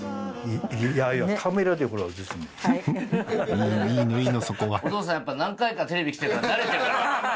いいのいいのいいのそこはお父さんやっぱ何回かテレビ来てるから慣れてる。